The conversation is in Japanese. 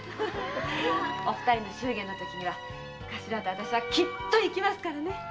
お二人の祝言のときはカシラときっと行きますからね。